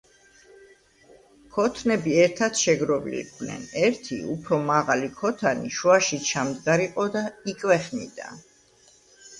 ქოთნები ერთად შეგროვილიყვნენ.ერთი, უფრო მაღალი ქოთანი, შუაში ჩამდგარიყო და იკვეხნიდა.